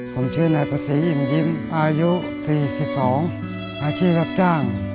ผมชื่อนายภาษีอิ่มยิ้มอายุ๔๒อาชีพรับจ้าง